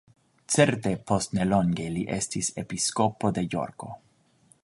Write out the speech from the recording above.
Certe post nelonge li estis episkopo de Jorko.